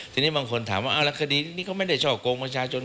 ทีนี่บางคนถามว่าอาละคดีนี้ก็ไม่ได้ชอบโกหกประชาชน